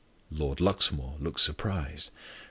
Lord Luxmore looked surprised.